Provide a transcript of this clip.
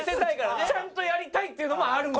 ダンスちゃんとやりたいっていうのもあるんですよ。